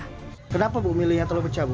hai kenapa memilih telur pecah bu